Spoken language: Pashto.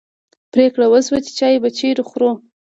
پرېکړه وشوه چې چای به چیرې خورو.